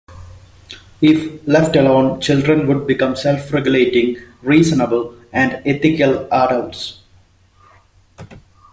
If left alone, children would become self-regulating, reasonable and ethical adults.